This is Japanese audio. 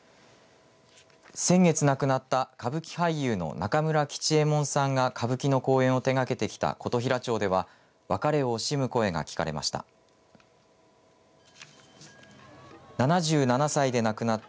先月亡くなった歌舞伎俳優の中村吉右衛門さんが歌舞伎の公演を手がけてきた琴平町では別れを惜しむ声が聞かれました。